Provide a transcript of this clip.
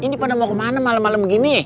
ini pada mau kemana malem malem begini